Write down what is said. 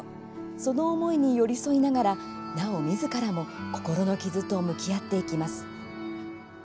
その思いに寄り添いながら奈緒みずからも心の傷と向き合っていきます。